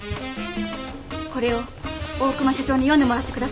これを大熊社長に読んでもらってください。